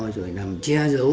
rồi nằm che giấu